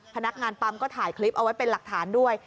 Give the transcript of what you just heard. พนักงานปั๊มก็ถ่ายคลิปเอาไว้เป็นหลักฐานด้วย